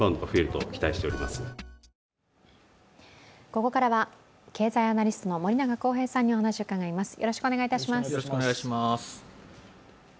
ここからは経済アナリストの森永康平さんにお話を伺います。